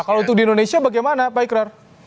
kalau untuk di indonesia bagaimana pak ikrar